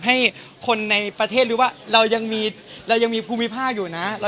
ให้คนในประเทศรู้ว่าเรายังมีภูมิภาคอยู่นะ